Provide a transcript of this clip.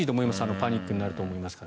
パニックになると思いますから。